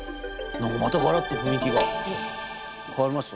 何かまたガラッと雰囲気が変わりました。